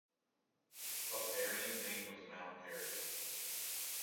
A variant name was "Mount Airy".